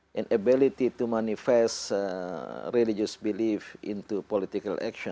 dan kemampuan untuk memanifestasi kepercayaan agama dalam aksi politik